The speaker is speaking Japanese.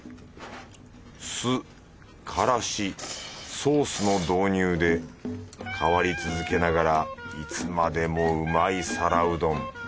酢からしソースの導入で変わり続けながらいつまでもうまい皿うどん。